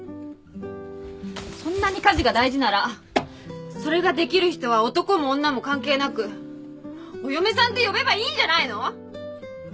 そんなに家事が大事ならそれができる人は男も女も関係なくお嫁さんって呼べばいいんじゃないの！？